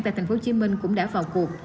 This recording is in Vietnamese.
tại tp hcm cũng đã vào cuộc